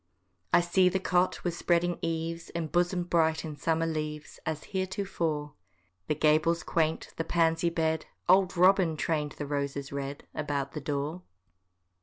I see the cot with spreading eaves Embosom'd bright in summer leaves, As heretofore: The gables quaint, the pansy bed,— Old Robin train'd the roses red About the door.